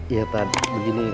ya tadi begini